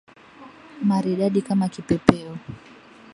Maridadi kama kipepeo.